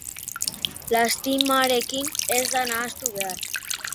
Lastimarekin ez da nahastu behar.